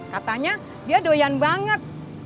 katanya dia doyan banget